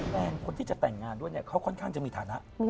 แรงคนที่จะแต่งงานด้วยเนี่ยเขาค่อนข้างจะมีฐานะ